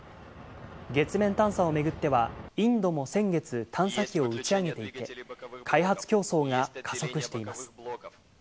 月面探査を巡っては、インドも先月、探査機を打ち上げていて、開発競争が加速しています。